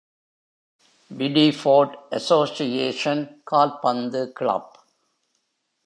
Bideford association கால்பந்து club.